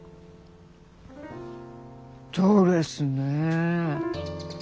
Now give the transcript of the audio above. ドレスねぇ。